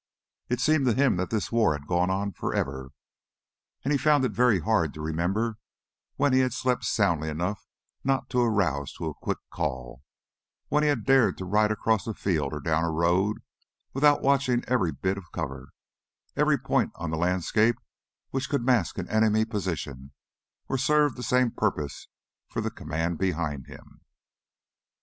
It seemed to him that this war had gone on forever, and he found it very hard to remember when he had slept soundly enough not to arouse to a quick call, when he had dared to ride across a field or down a road without watching every bit of cover, every point on the landscape which could mask an enemy position or serve the same purpose for the command behind him.